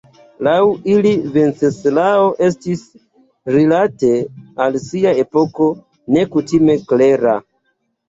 Laŭ ili Venceslao estis rilate al sia epoko nekutime klera.